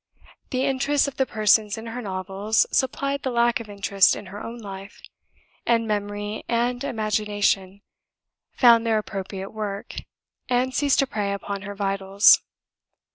The interests of the persons in her novels supplied the lack of interest in her own life; and Memory and Imagination found their appropriate work, and ceased to prey upon her vitals.